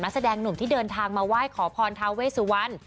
แสดงหนุ่มที่เดินทางมาไหว้ขอพรทาเวสุวรรณ